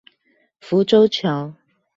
浮洲橋